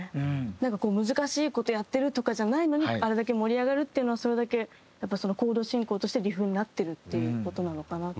なんかこう難しい事をやってるとかじゃないのにあれだけ盛り上がるっていうのはそれだけやっぱりコード進行としてリフになってるっていう事なのかなって。